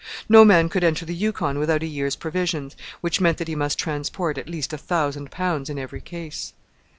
No man could enter the Yukon without a year's provisions, which meant that he must transport at least a thousand pounds in every case.